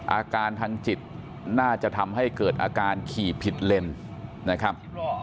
อาการทางจิตน่าจะทำให้เกิดอาการขี่ผิดเลนนะครับ